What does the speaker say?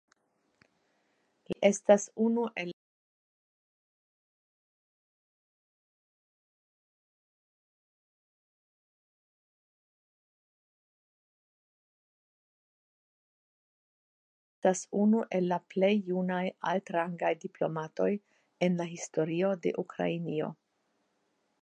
Li estas unu el la plej junaj altrangaj diplomatoj en la historio de Ukrainio.